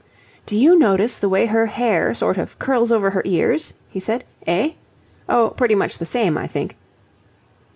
"Do you notice the way her hair sort of curls over her ears?" he said. "Eh? Oh, pretty much the same, I think."